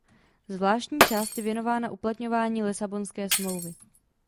Zvláštní část je věnována uplatňování Lisabonské smlouvy.